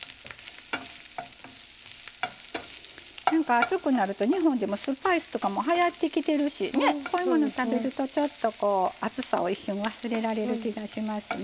暑くなると日本でもスパイスとかもはやってきてるしこういうもの食べるとちょっとこう暑さを一瞬忘れられる気がしますね。